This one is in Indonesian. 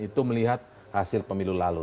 itu melihat hasil pemilu lalu